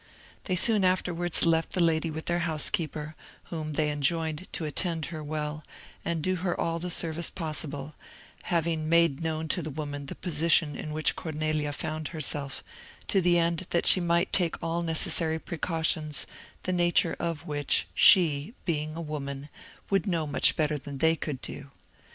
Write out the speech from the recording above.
They soon afterwards left the lady with their housekeeper, whom they enjoined to attend her well, and do her all the service possible—having made known to the woman the position in which Cornelia found herself, to the end that she might take all necessary precautions, the nature of which, she, being a woman, would know much better than they could do.